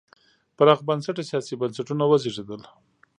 پراخ بنسټه سیاسي بنسټونه وزېږېدل.